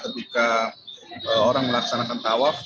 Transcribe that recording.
ketika orang melaksanakan tawaf